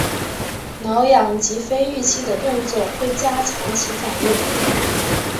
搔痒及非预期的动作会加强其反应。